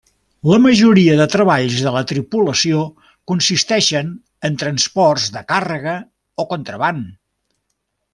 La majoria de treballs de la tripulació consisteixen en transports de càrrega o contraban.